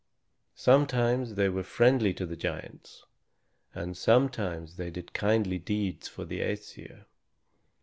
Sometimes they were friendly to the giants, and sometimes they did kindly deeds for the Æsir.